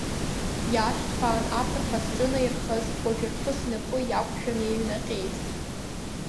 Иаашьҭԥаан аԥырҳа зҿынаирхаз, Хәажәарԥыс инапы иақәшәан, еиҩнаҟьеит.